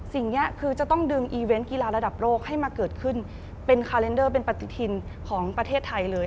สิ่งนี้คือจะต้องดึงอีเวนต์กีฬาระดับโลกให้มาเกิดขึ้นเป็นคาเลนเดอร์เป็นปฏิทินของประเทศไทยเลย